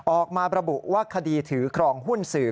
ออกมาระบุว่าคดีถือครองหุ้นสื่อ